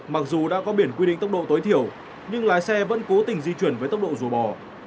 mặc dù đã có biển quy định tốc độ tối thiểu nhưng lái xe vẫn cố tình di chuyển với tốc độ rùa bò